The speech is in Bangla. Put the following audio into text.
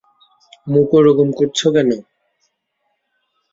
মুখ ওরকম করছো কেন?